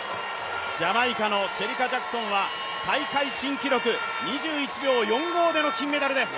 ジャマイカのシェリカ・ジャクソンは大会記録、２１秒４５での金メダルです。